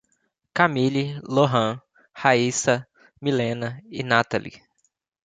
Kamilly, Lorran, Raysa, Millena e Nathaly